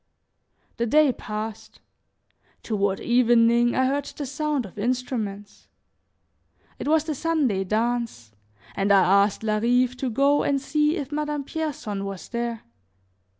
The day passed; toward evening I heard the sound of instruments. It was the Sunday dance and I asked Larive to go and see if Madame Pierson was there.